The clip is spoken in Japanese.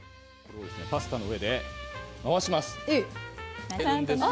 パスタの上で回します。